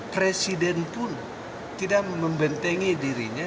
presiden pun tidak membentengi dirinya